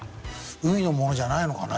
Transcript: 海の物じゃないのかな？